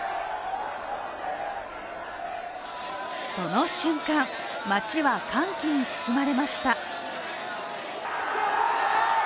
その瞬間、街は歓喜に包まれました。